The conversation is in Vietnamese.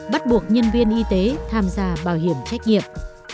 bắt buộc nhân viên y tế tham gia bảo hiểm trách nhiệm